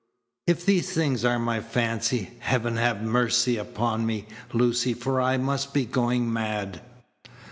If these things are my fancy, Heaven have mercy upon me, Lucy, for I must be going mad."